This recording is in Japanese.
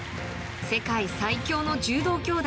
世界最強の柔道兄妹